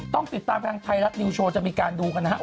ต้องติดตามทางไทยรัฐนิวโชว์จะมีการดูกันนะครับ